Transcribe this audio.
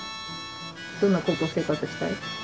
どんな高校生活したい？